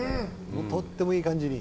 とってもいい感じに。